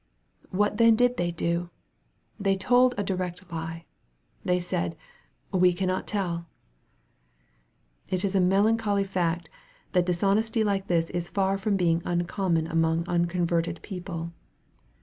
What then did they do ? They told a direct lie. They said, " We cannot tell." It is a melancholy fact, that dishonesty like this is far from being uncommon among unconverted people.